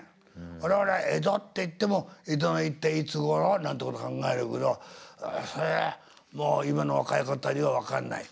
我々は江戸っていっても江戸の一体いつごろなんてこと考えるけどもう今の若い子たちは分かんない。